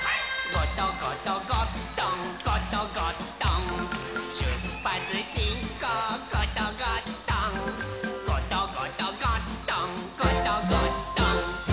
「ゴトゴトゴットンゴトゴットン」「しゅっぱつしんこうゴトゴットン」「ゴトゴトゴットンゴトゴットン」